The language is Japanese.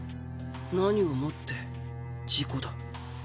何をもって自己だ？